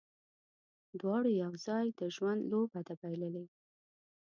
دواړو یو ځای، د ژوند لوبه ده بایللې